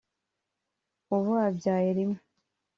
ubu abyaye rimwe